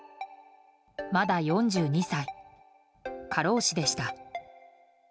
まだ４２歳、過労死でした。